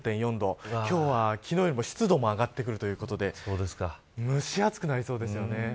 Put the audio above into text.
今日は昨日よりも湿度も上がってくるということで蒸し暑くなりそうですよね。